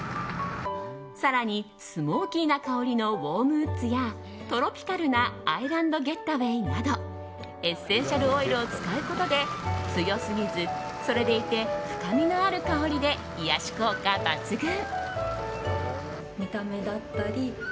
更に、スモーキーな香りのウォームウッズやトロピカルなアイランドゲッタウェイなどエッセンシャルオイルを使うことで強すぎず、それでいて深みのある香りで癒やし効果抜群。